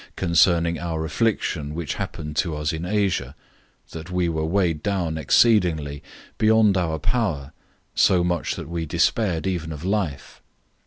"} concerning our affliction which happened to us in Asia, that we were weighed down exceedingly, beyond our power, so much that we despaired even of life.